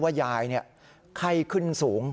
ยายไข้ขึ้นสูง